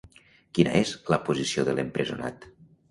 Quina és la posició de l'empresonat?